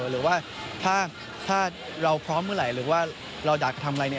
หรือว่าถ้าเราพร้อมเมื่อไหร่หรือว่าเราอยากจะทำอะไร